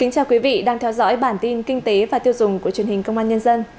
chào mừng quý vị đến với bản tin kinh tế và tiêu dùng của truyền hình công an nhân dân